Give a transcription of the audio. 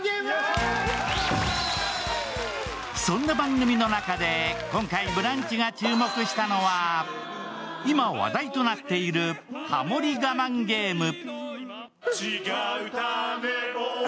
そんな番組の中で、今回「ブランチ」が注目したのは、今話題となっているハモリ我慢ゲーム。